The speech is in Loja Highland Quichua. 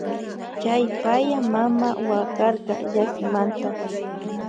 Chay paya mama wakarka llakimanta.